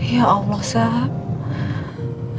ya allah sang